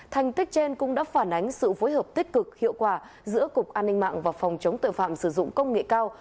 thành tích trên cũng đã phản ánh sự phối hợp tích cực hiệu quả giữa cục an ninh mạng và phòng chống tội phạm sử dụng công nghệ cao